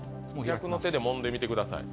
逆の手でもんでみてください。